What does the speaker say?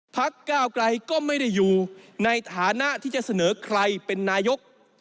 พักก้าวไกลก็ไม่ได้อยู่ในฐานะที่จะเสนอใครเป็นนายก